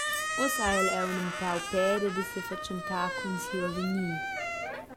Ussa ha ella aunc empau peda da sefatschentar cun siu avegnir.